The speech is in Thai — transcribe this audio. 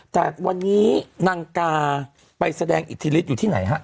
แต่วันนี้นางกาไปแสดงอิทธิฤทธิอยู่ที่ไหนฮะ